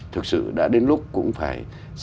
thực sự đã đến lúc cũng phải